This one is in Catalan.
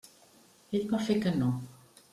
Ell va fer que no.